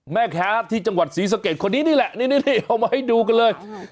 แม่ค้าที่จังหวัดศรีสะเกดคนนี้นี่แหละนี่เอามาให้ดูกันเลย